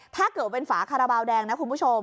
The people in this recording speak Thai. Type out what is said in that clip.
ถ้าเกิดเป็นฝาคาราบาลแดงนะคุณผู้ชม